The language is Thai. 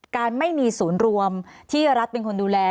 การไม่มีศูนย์รวมที่รัฐเป็นคนดูแล